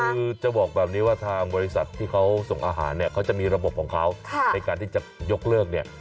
คือจะบอกแบบนี้ว่าทางบริษัทที่เขาส่งอาหารเนี่ยเขาจะมีระบบของเขาในการที่จะยกเลิกเนี่ย